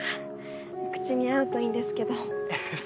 お口に合うといいんですけどえっ